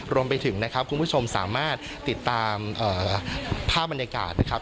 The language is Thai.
รวมไปถึงนะครับคุณผู้ชมสามารถติดตามภาพบรรยากาศนะครับ